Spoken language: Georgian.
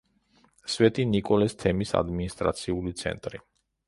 სვეტი-ნიკოლეს თემის ადმინისტრაციული ცენტრი.